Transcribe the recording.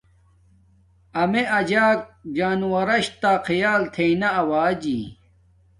امیے اجک جانورواش تہ خیال تھݵ نا اوجی